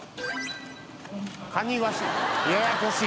「かにわし」